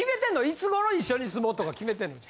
いつごろ一緒に住もうとか決めてんの？